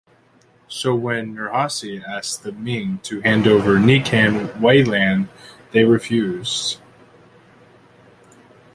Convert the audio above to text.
So when Nurhaci asked the Ming to hand over Nikan Wailan, they refused.